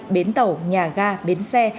bến tàu nhà ga bến xe